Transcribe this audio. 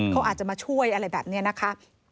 เขาอาจจะมาช่วยอะไรแบบนี้นะคะ